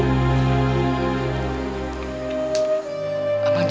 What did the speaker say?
lagi terjadi sesuatu